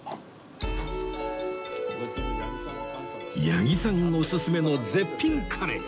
八木さんおすすめの絶品カレー